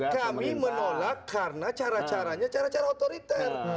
kami menolak karena cara caranya cara cara otoriter